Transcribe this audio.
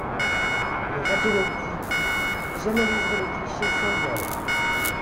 Le radiologue dit: j'analyserai les clichés sans zèle!